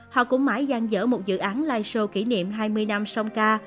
họ cũng mãi gian dở một dự án live show kỷ niệm hai mươi năm sông ca